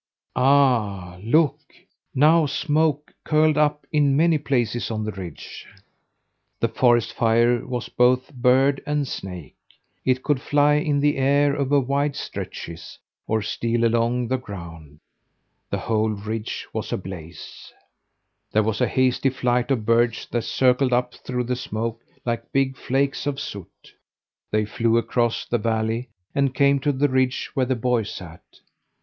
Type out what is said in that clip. Ah, look! Now smoke curled up in many places on the ridge. The forest fire was both bird and snake. It could fly in the air over wide stretches, or steal along the ground. The whole ridge was ablaze! There was a hasty flight of birds that circled up through the smoke like big flakes of soot. They flew across the valley and came to the ridge where the boy sat.